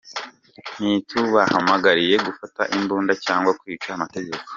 Ntitubahamagariye gufata imbunda cyangwa kwica amategeko.